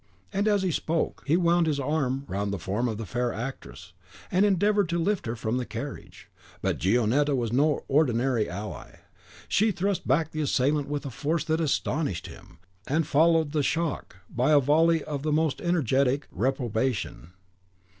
As he spoke, he wound his arm round the form of the fair actress, and endeavoured to lift her from the carriage. But Gionetta was no ordinary ally, she thrust back the assailant with a force that astonished him, and followed the shock by a volley of the most energetic reprobation.